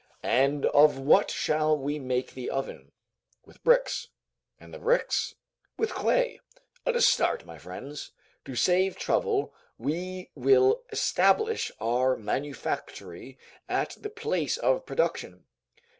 "And of what shall we make the oven?" "With bricks." "And the bricks?" "With clay. Let us start, my friends. To save trouble, we will establish our manufactory at the place of production.